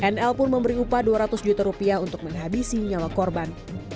nl pun memberi upah dua ratus juta rupiah untuk menghabisi nyawa korban